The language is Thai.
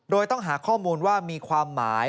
โดยต้องหาข้อมูลว่ามีความหมาย